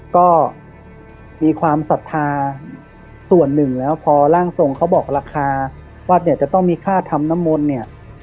ก็มีความศรัทธาส่วนหนึ่งแล้วพอร่างทรงเขาบอกราคาว่าเนี่ยจะต้องมีค่าทำน้ำมนต์เนี่ย